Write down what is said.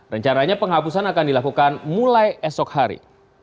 rencananya penghapusan akan dilakukan mulai esok hari